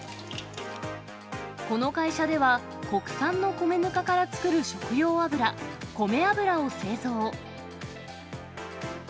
この会社では、国産の米ぬかから作る食用油、こめ油を製造。